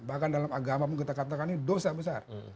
bahkan dalam agama pun kita katakan ini dosa besar